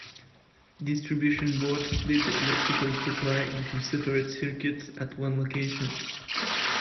Distribution boards split the electrical supply into separate circuits at one location.